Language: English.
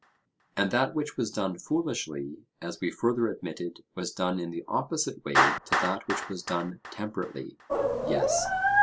And that which was done foolishly, as we further admitted, was done in the opposite way to that which was done temperately? Yes.